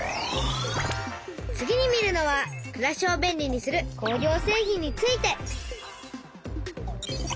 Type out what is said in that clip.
次に見るのはくらしを便利にする工業製品について。